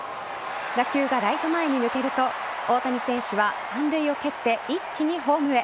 打球がライト前に抜けると大谷選手は三塁を蹴って一気にホームへ。